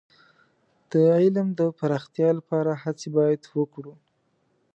د علم د پراختیا لپاره هڅې باید وکړو.